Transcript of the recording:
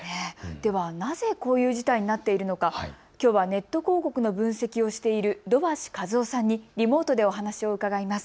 ではなぜこういう事態になっているのか、きょうはネット広告の分析をしている土橋一夫さんにリモートでお話を伺います。